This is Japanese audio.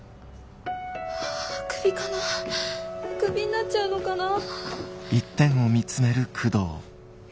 はぁクビかなぁクビになっちゃうのかな。